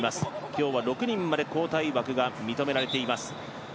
今日は６人まで交代枠が認められています。